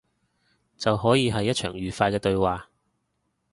就可以係一場愉快嘅對話